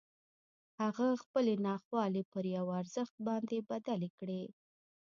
هغه خپلې ناخوالې پر یوه ارزښت باندې بدلې کړې